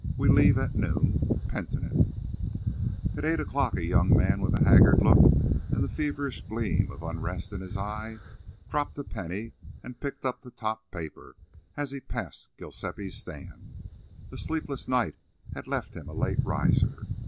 We leave at noon. PENITENT. At 8 o'clock a young man with a haggard look and the feverish gleam of unrest in his eye dropped a penny and picked up the top paper as he passed Giuseppi's stand. A sleepless night had left him a late riser.